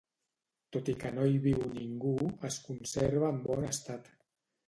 Tot i que no hi viu ningú, es conserva en bon estat.